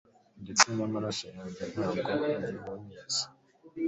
ndetse n'amaso yanjye nta bwo agihunyeza